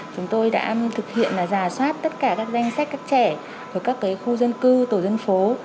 chúng tôi đã thực hiện giả soát tất cả các danh sách các trẻ ở các khu dân cư tổ dân phố